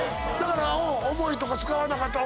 重いとか使わなかったら。